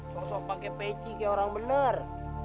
sosok pake peci kayak orang bener